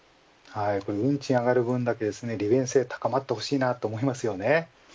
運賃上がる分だけ利便性、高まってほしいなと思いますよね。